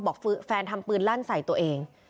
แฟนทำปืนลั่นใส่ตัวเอง